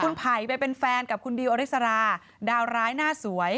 คุณไผ่ไปเป็นแฟนกับคุณดิวอริสราดาวร้ายหน้าสวย